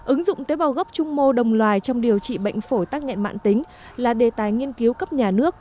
ứng dụng tế bào gốc trung mô đồng loài trong điều trị bệnh phổi tắc nghẽn mạng tính là đề tài nghiên cứu cấp nhà nước